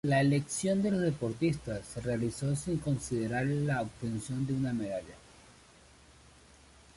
La elección de los deportistas se realizó sin considerar la obtención de una medalla.